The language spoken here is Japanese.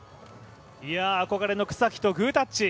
憧れの草木とグータッチ。